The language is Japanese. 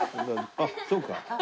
あっそうか。